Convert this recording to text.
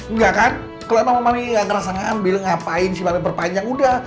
nggak kan kalo emang mami ngerasa ngambil ngapain si mami berpanjang udah